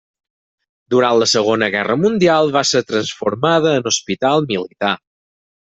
Durant la Segona Guerra Mundial va ser transformada en hospital militar.